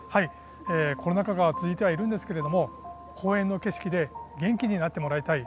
コロナ禍が続いているのですが公園の景色で元気になってもらいたい。